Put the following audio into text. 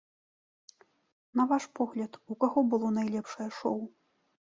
На ваш погляд, у каго было найлепшае шоу?